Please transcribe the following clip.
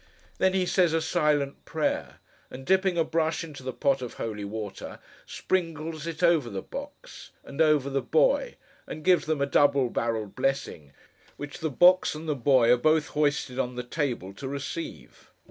Then he says a silent prayer; and dipping a brush into the pot of Holy Water, sprinkles it over the box—and over the boy, and gives them a double barrelled blessing, which the box and the boy are both hoisted on the table to receive.